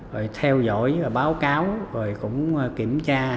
rồi theo dõi báo cáo rồi cũng kiểm tra